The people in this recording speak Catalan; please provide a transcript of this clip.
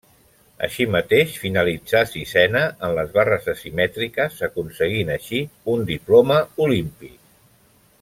Així mateix finalitzà sisena en les barres asimètriques, aconseguint així un diploma olímpic.